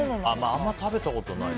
あんま食べたことない。